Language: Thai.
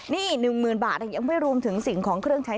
นี่๑๐๐๐บาทยังไม่รวมถึงสิ่งของเครื่องใช้